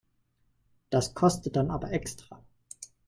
Das kostet dann aber extra.